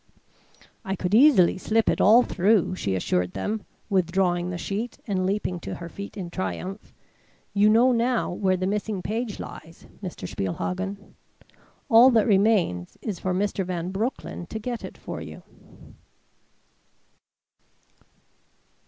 "I could easily slip it all through," she assured them, withdrawing the sheet and leaping to her feet in triumph. "You know now where the missing page lies, Mr. Spielhagen. All that remains is for Mr. Van Broecklyn to get it for you."